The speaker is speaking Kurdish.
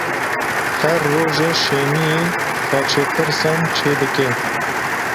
Her roja şemiyê xaçepirsan çêdike.